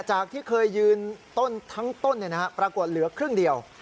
จากที่เคยยืนต้นทั้งต้นปรากฏเหลือครึ่งเดียว